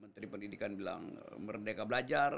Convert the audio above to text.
menteri pendidikan bilang merdeka belajar